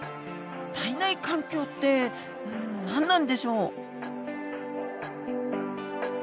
体内環境って何なんでしょう？